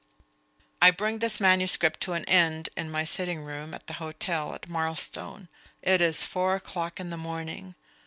I bring this manuscript to an end in my sitting room at the hotel at Marlstone. It is four o'clock in the morning.